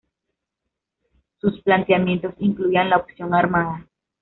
Sus planteamientos incluían la opción armada.